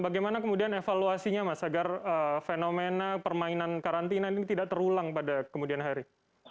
bagaimana kemudian evaluasinya mas agar fenomena permainan karantina ini tidak terulang pada kemudian hari